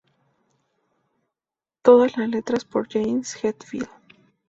Todas las letras por James Hetfield.